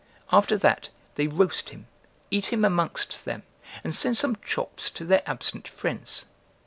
After that, they roast him, eat him amongst them, and send some chops to their absent friends.